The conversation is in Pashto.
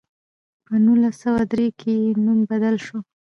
په نولس سوه درې کې یې نوم بدل شو.